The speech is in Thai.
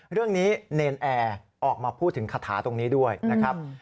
เรื่องนี้เนรนแอร์ออกมาพูดถึงคาถาตรงนี้ด้วยนะครับ